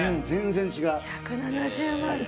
全然違う１７０万